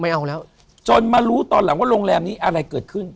เอาแล้วจนมารู้ตอนหลังว่าโรงแรมนี้อะไรเกิดขึ้น